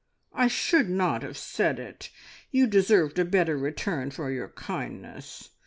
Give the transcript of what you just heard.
"I should not have said it. You deserved a better return for your kindness.